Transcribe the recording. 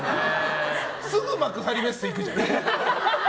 すぐ幕張メッセ行くじゃない？